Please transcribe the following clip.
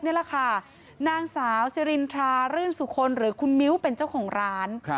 นางสาวซิรินทรารื่นสุขลหรือคุณมิ้วเป็นเจ้าของร้าน